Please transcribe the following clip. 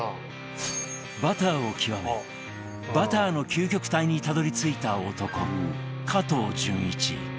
バターを極めバターの究極体にたどり着いた男加藤順一